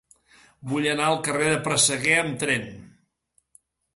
Vull anar al carrer del Presseguer amb tren.